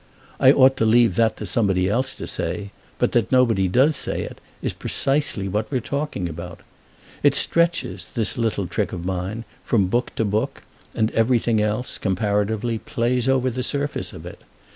I ought to leave that to somebody else to say; but that nobody does say it is precisely what we're talking about. It stretches, this little trick of mine, from book to book, and everything else, comparatively, plays over the surface of it.